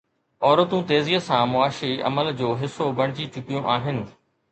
عورتون تيزيءَ سان معاشي عمل جو حصو بڻجي چڪيون آهن.